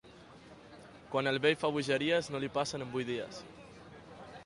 Quan el vell fa bogeries, no li passen en vuit dies.